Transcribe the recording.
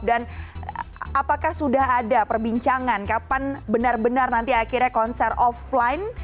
dan apakah sudah ada perbincangan kapan benar benar nanti akhirnya konser offline